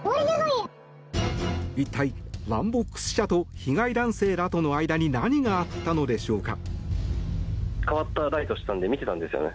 一体、ワンボックス車と被害男性らとの間に何があったのでしょうか。